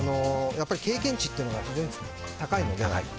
経験値というのが非常に高いので。